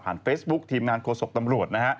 ผ่านเฟซบุ๊กทีมงานโครสกตำรวจ